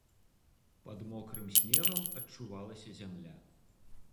Пад мокрым снегам адчувалася зямля.